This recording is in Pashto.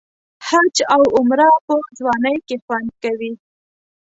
حج او عمره په ځوانۍ کې خوند کوي.